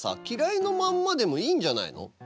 嫌いのまんまでもいいんじゃないの？